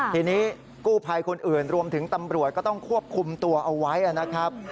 ทีนี้กู้ภัยคนอื่นรวมถึงตำรวจก็ต้องควบคุมตัวเอาไว้นะครับ